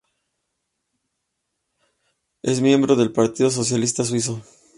Es miembro del Partido Socialista Suizo.